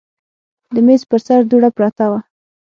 د میز پر سر دوړه پرته وه.